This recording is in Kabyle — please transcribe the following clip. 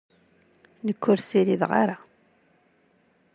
Nekk ur ssirideɣ ara.